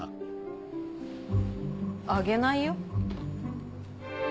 あげないよ？